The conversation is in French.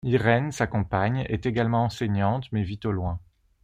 Irène, sa compagne, est également enseignante mais vit au loin.